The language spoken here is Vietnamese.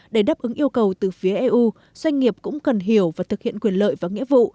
để đáp ứng yêu cầu từ phía eu doanh nghiệp cũng cần hiểu và thực hiện quyền lợi và nghĩa vụ